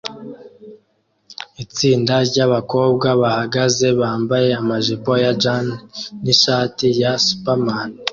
Itsinda ryabakobwa bahagaze bambaye amajipo ya jean nishati ya superman